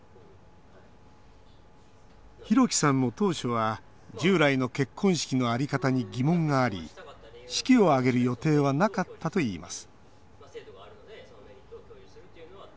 ひろきさんも当初は従来の結婚式の在り方に疑問があり式を挙げる予定はなかったといいます